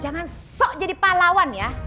kesok jadi pahlawan ya